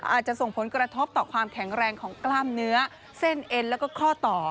อาจจะส่งผลกระทบต่อความแข็งแรงของกล้ามเนื้อเส้นเอ็นแล้วก็ข้อต่อ